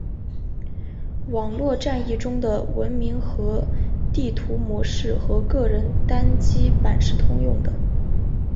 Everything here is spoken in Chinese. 网络战役中的文明和地图模式和个人单机版是通用的。